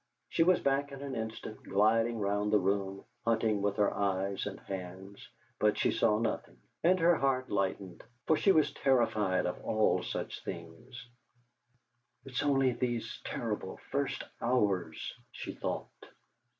She was back in an instant, gliding round the room, hunting with her eyes and hands, but she saw nothing, and her heart lightened, for she was terrified of all such things. '.t's only these terrible first hours,' she thought.